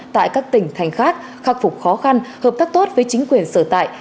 tại các tỉnh thành khác khắc phục khó khăn hợp tác tốt với chính quyền sở tại